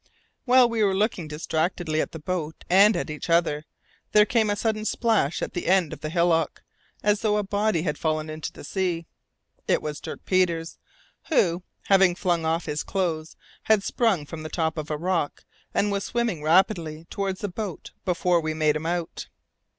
While we were looking distractedly at the boat and at each other, there came a sudden splash at the end of the hillock, as though a body had fallen into the sea. It was Dirk Peters, who, having flung off his clothes, had sprung from the top of a rock, and was swimming rapidly towards the boat before we made him out.